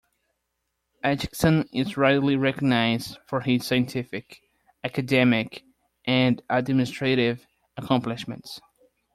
Atkinson is widely recognized for his scientific, academic, and administrative accomplishments.